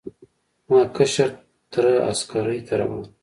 زما کشر تره عسکرۍ ته روان و.